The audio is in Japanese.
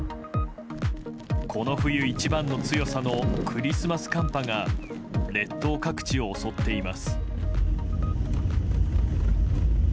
この冬一番の強さのクリスマス寒波が列島各地を襲っています。